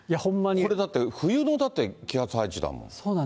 これだって冬の気圧配置だもん。